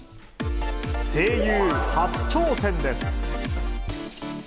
声優初挑戦です。